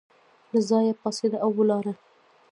له ځایه پاڅېده او ولاړه.